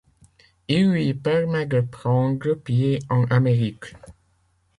Il lui permet de prendre pied en Amérique.